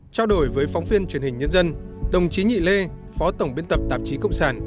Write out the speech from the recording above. trao đổi với phóng viên truyền hình nhân dân đồng chí nhị lê phó tổng biên tập tạp chí cộng sản